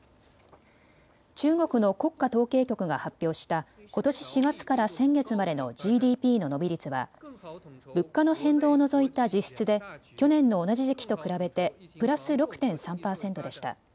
中国の国家統計局が発表したことし４月から先月までのＧＤＰの伸び率は物価の変動を除いた実質で去年の同じ時期と比べてプラス６．３％でした。